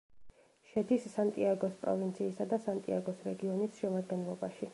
შედის სანტიაგოს პროვინციისა და სანტიაგოს რეგიონის შემადგენლობაში.